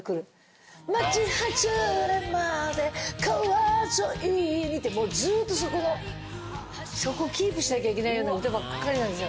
「街はずれまで河沿いに」ってもうずっとそこキープしなきゃいけないような歌ばっかりなんですよ。